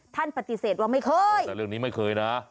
ท่านปฏิเสธว่าไม่เคยแต่เรื่องนี้ไม่เคยนะ